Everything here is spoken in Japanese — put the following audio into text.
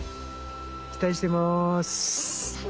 期待してます。